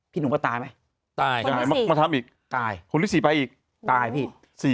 หนูมาตายไหมตายมาทำอีกตายคนที่๔ไปอีกตายพี่